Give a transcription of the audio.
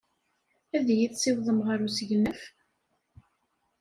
Ad iyi-tessiwḍem ɣer usegnaf?